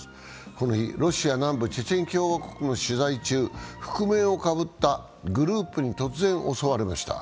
この日、ロシア南部チェチェン共和国を取材中、覆面をかぶったグループに突然、襲われました。